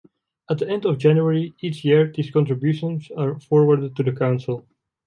At the end of January each year, these contributions are forwarded to the councils.